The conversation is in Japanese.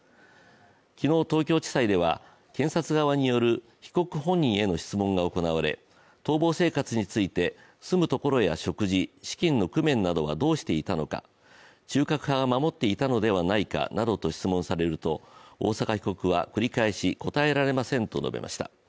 昨日東京地裁では検察側による被告本人への質問が行われ逃亡生活について住むところや食事、資金の工面などはどうしていたのか、中核派が守っていたのではないかなどと質問されると大坂被告は繰り返し、答えられませんと述べました。